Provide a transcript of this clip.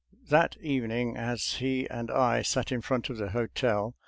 That evening as he and I sat in front of the hotel.